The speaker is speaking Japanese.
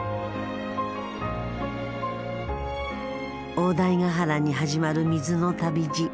大台ヶ原に始まる水の旅路。